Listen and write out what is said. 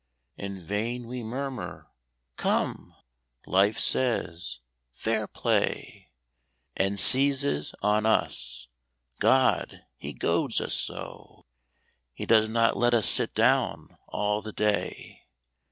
In vain we murmur; "Come," Life says, "Fair play!" And seizes on us. God! he goads us so! He does not let us sit down all the day.